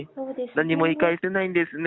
なんにも言い返せないんですね。